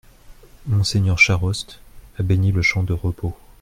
Mgr Charost, a béni le champ de repos.